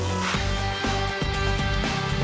สวัสดีครับ